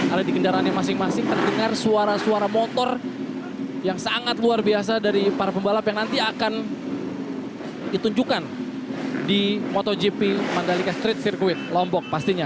ada di kendaraannya masing masing terdengar suara suara motor yang sangat luar biasa dari para pembalap yang nanti akan ditunjukkan di motogp mandalika street circuit lombok pastinya